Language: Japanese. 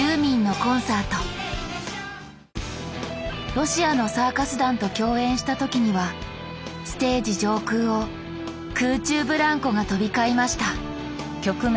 ロシアのサーカス団と共演した時にはステージ上空を空中ブランコが飛び交いました